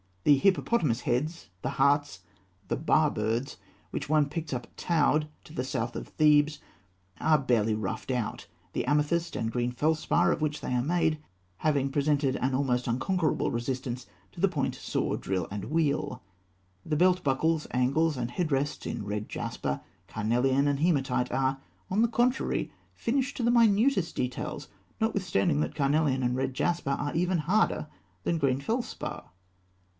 The hippopotamus heads, the hearts, the Ba birds (p. 111), which one picks up at Taûd, to the south of Thebes, are barely roughed out, the amethyst and green felspar of which they are made having presented an almost unconquerable resistance to the point, saw, drill, and wheel. The belt buckles, angles, and head rests in red jasper, carnelian, and hematite, are, on the contrary, finished to the minutest details, notwithstanding that carnelian and red jasper are even harder than green felspar.